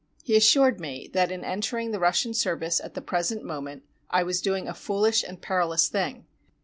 He assured me that in entering the Russian service at the present moment I was doing a fooUsh and perilous thing.